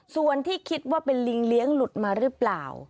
ส่วนที่คิดว่าเป็นลิงเลี้ยงหลุดมาหรือเปล่า